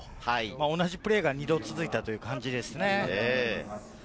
同じプレーが２度続いたという感じですね。